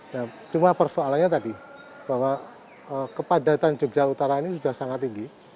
nah cuma persoalannya tadi bahwa kepadatan jogja utara ini sudah sangat tinggi